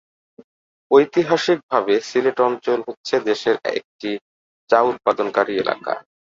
ঐতিহাসিকভাবে সিলেট অঞ্চল হচ্ছে দেশের একটি চা উৎপাদনকারী এলাকা।